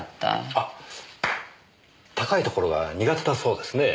あっ高いところが苦手だそうですねえ。